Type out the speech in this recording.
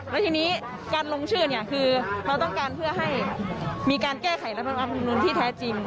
แล้วทีนี้การลงชื่อเนี่ยคือเราต้องการเพื่อให้มีการแก้ไขรัฐธรรมนุนที่แท้จริง